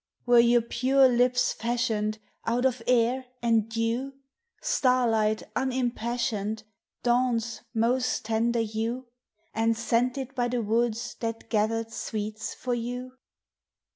Were your pure lips fashioned Out of air and dew, Starlight unimpassioned, Dawn's most tender hue, And scented by the woods that gathered sweets for you?